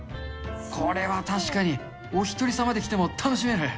これは確かにおひとり様で来ても楽しめる。